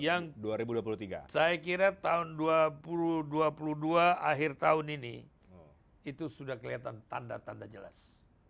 yang saya kira tahun dua ribu dua puluh dua akhir tahun ini itu sudah kelihatan tanda tanda jelas